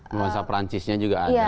rumah rumah prancisnya juga ada